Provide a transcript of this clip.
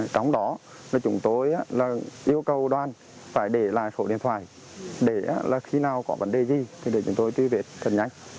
trong đó thì chúng tôi yêu cầu đoàn phải để lại sổ điện thoại để khi nào có vấn đề gì thì để chúng tôi truy vệ thật nhanh